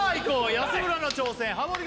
安村の挑戦ハモリ